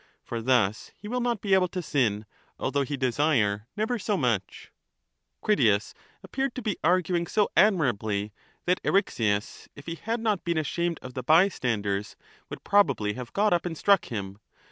For thus he will not be able to sin, although he desire never so much. % Critias appeared to be arguing so admirably that Eryxias, Eryxias takes if he had not been ashamed of the bystanders, would chSs, whose probably have got up and struck him.